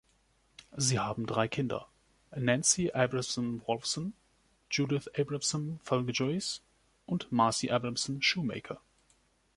Sie haben drei Kinder: Nancy Abramson Wolfson, Judith Abramson Felgoise und Marcy Abramson Shoemaker.